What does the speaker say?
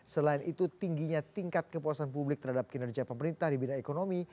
selain itu tingginya tingkat kepuasan publik terhadap kinerja pemerintah di bidang ekonomi